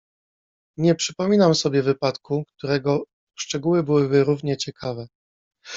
"Nie przypominam sobie wypadku, którego szczegóły byłyby równie ciekawe."